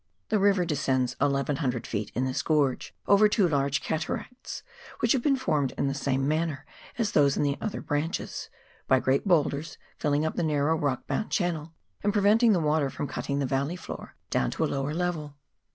The river descends 1,100 ft. in this gorge over two large cataracts, which have been formed in the same manner as those in the other branches, by great boulders filling up the narrow rock bound channel, and preventing the water from cutting the valley floor down to a lower level.